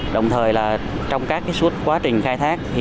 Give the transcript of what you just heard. đồng thời trong các suốt quá trình khai thác